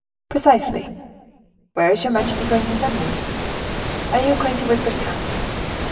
"Precisely." "Where is your majesty going to send me?" "Are you acquainted with Bretagne?"